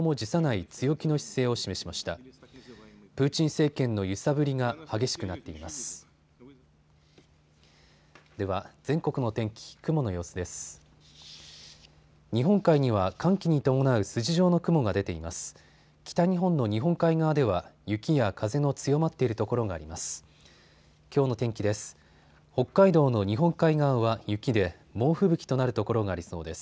北日本の日本海側では雪や風の強まっている所があります。